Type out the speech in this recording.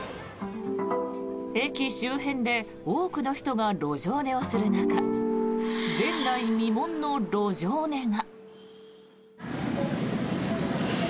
駅周辺で多くの人が路上寝をする中前代未聞の路上寝が。